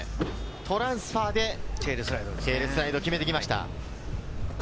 トランスファーでテールスライドを決めてきました。